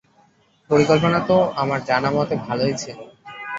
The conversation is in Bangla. পরিকল্পনা তো আমার জানামতে ভালোই ছিল।